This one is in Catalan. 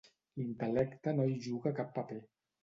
L'intel·lecte no hi juga cap paper.